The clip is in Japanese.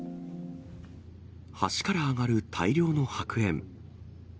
橋から上がる大量の白煙。